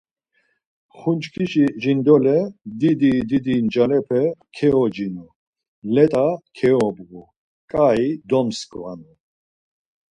Ğunçkişi jindole didi didi ncalepe keocinu, let̆a keobğu, ǩai domskvanu.